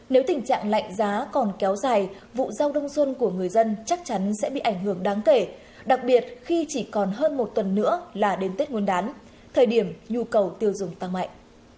nếu tình trạng lạnh giá còn kéo dài vụ rau đông xuân của người dân chắc chắn sẽ bị ảnh hưởng đáng kể đặc biệt khi chỉ còn hơn một tuần nữa là đến tết nguyên đán thời điểm nhu cầu tiêu dùng tăng mạnh